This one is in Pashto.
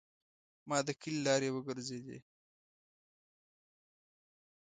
ما د کلي لارې وګرځیدې.